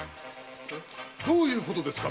それはどういうことですか？